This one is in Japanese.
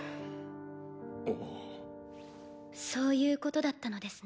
そういうことだったのですね。